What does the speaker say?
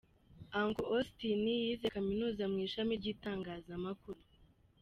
Uncle Ausstin yize Kaminuza mu ishami ry’itangazamakuru.